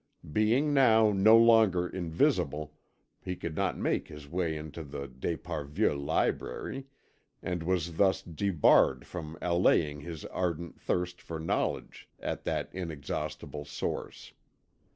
Being now no longer invisible, he could not make his way into the d'Esparvieu library, and was thus debarred from allaying his ardent thirst for knowledge at that inexhaustible source.